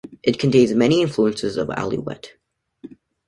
It contains many influences of Aluette.